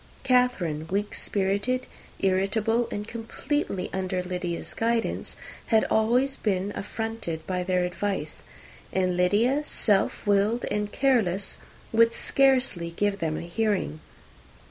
Catherine, weak spirited, irritable, and completely under Lydia's guidance, had been always affronted by their advice; and Lydia, self willed and careless, would scarcely give them a hearing.